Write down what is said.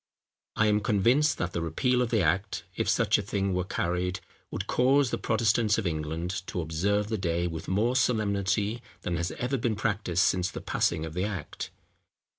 I am convinced that the repeal of the act, if such a thing were carried, would cause the Protestants of England to observe the day with more solemnity than has ever been practised since the passing of the act.